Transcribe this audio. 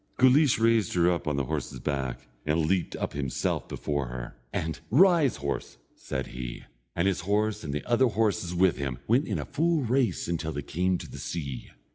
Guleesh raised her up on the horse's back, and leaped up himself before her, and, "Rise, horse," said he; and his horse, and the other horses with him, went in a full race until they came to the sea.